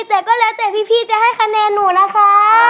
แต่ก็แล้วแต่พี่จะให้คะแนนหนูนะคะ